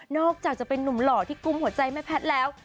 อกจากจะเป็นนุ่มหล่อที่กุ้มหัวใจแม่แพทย์แล้ว